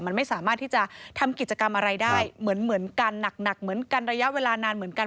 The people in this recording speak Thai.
มันไม่สามารถที่จะทำกิจกรรมอะไรได้เหมือนกันหนักเหมือนกันระยะเวลานานเหมือนกัน